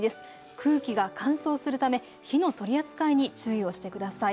空気が乾燥するため火の取り扱いに注意をしてください。